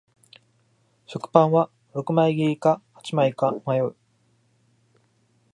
食パンは六枚切りか八枚か迷う